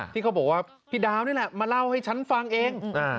ที่เขาบอกว่าพี่ดาวนี่แหละมาเล่าให้ฉันฟังเอง